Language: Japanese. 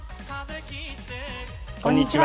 こんにちは。